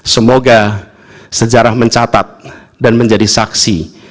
semoga sejarah mencatat dan menjadi saksi